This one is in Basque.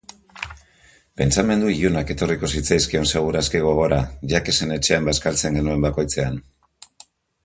Pentsamendu ilunak etorriko zitzaizkion segur aski gogora Jacquesen etxean bazkaltzen genuen bakoitzean.